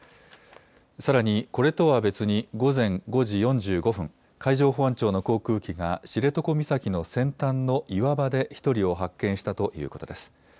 さらにこれとは別に、午前５時４５分、海上保安庁の航空機が知床岬の先端の岩場で１人を発見したということです。